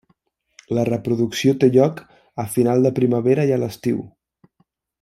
La reproducció té lloc a final de primavera i a l'estiu.